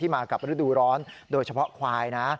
มากับฤดูร้อนโดยเฉพาะควายนะ